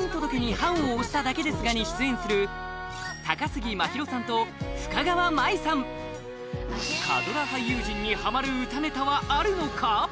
「判を捺しただけですが」に出演する高杉真宙さんと深川麻衣さん火ドラ俳優陣にハマる歌ネタはあるのか？